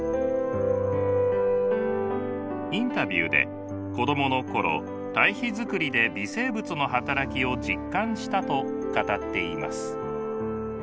インタビューで子供の頃堆肥作りで微生物の働きを実感したと語っています。